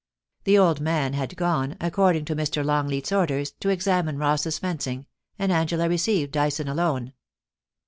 The old man had gone, according to Mr. Longleat's orders, to examine Ross's fencing, and Angela received Dyson alone.